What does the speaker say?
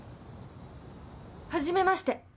初めまして。